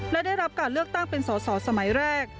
และได้รับการเลือกตั้งเป็นสอสอสมัยแรก